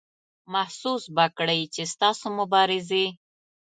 محسوس به کړئ چې ستاسو مبارزې.